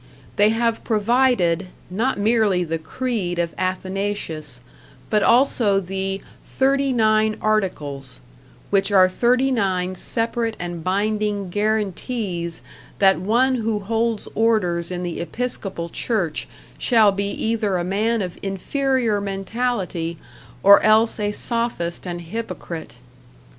They have provided, not merely the Creed of Athanasius, but also the "Thirty nine Articles" which are thirty nine separate and binding guarantees that one who holds orders in the Episcopal Church shall be either a man of inferior mentality, or else a sophist and hypocrite.